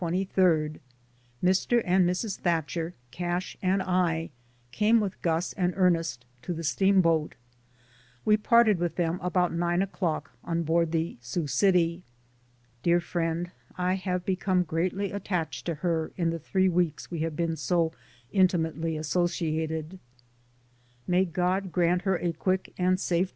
Mr. and Mrs. Thatcher, Cash and I came with Gus and Ernest to the steamboat. We parted with them about nine o'clock on board the "Sioux City." Dear friend, I have be come greatly attached to her, in the three weeks we have been so intimately associated. May God grant her a quick and safe journey Note.